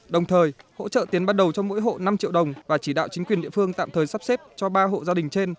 đồng thời hỗ trợ tiến ban đầu cho mỗi hộ năm triệu đồng và chỉ đạo chính quyền địa phương tạm thời sắp xếp cho ba hộ gia đình trên